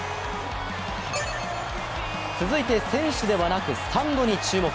続いて選手ではなくスタンドに注目。